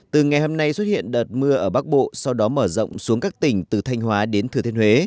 từ ngày hôm nay xuất hiện đợt mưa ở bắc bộ sau đó mở rộng xuống các tỉnh từ thanh hóa đến thừa thiên huế